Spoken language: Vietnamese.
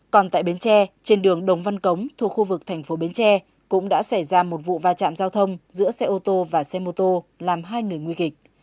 còn tại bến tre trên đường đồng văn cống thuộc khu vực thành phố bến tre cũng đã xảy ra một vụ va chạm giao thông giữa xe ô tô và xe mô tô làm hai người nguy kịch